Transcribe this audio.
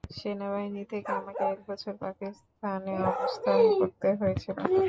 সেনাবাহিনী থেকে আমাকে এক বছর, পাকিস্তানে অবস্থান করতে হয়েছিল।